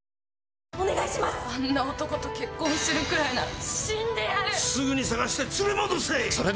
あんな男と結婚するくらいならすぐに探して連れ戻せ！